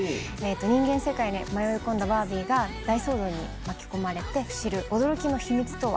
人間世界に迷い込んだバービーが大騒動に巻き込まれて知る驚きの秘密とは？